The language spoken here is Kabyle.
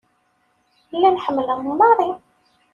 Llan ḥemmlen Mary.